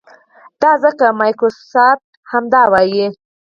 دا ځکه مایکروسافټ همدا وايي.